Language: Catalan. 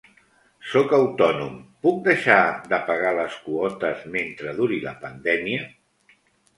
Sóc autònom, puc deixar de pagar les quotes mentre duri la pandèmia?